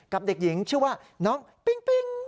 เด็กหญิงชื่อว่าน้องปิ๊งปิ๊ง